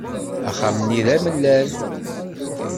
Axxam-nni d amellal.